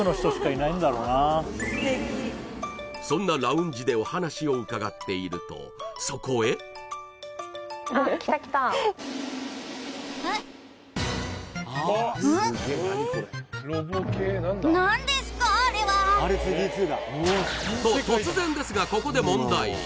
そんなラウンジでお話を伺っているとと突然ですがここで問題